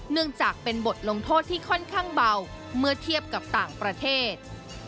เนื่องจากเป็นบทลงโทษที่ค่อนข้างเบาเมื่อเทียบกับต่างประเทศ